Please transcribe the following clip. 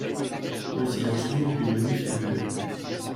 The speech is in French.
Le silence lourd d’une manif’ de muets.